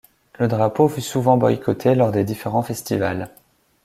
Le drapeau fut souvent boycotté lors des différents festivals.